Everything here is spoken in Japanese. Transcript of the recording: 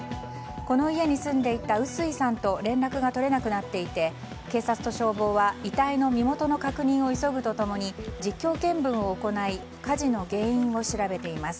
この家に住んでいた碓井さんと連絡が取れなくなっていて警察と消防は遺体の身元の確認を急ぐと共に実況見分を行い火事の原因を調べています。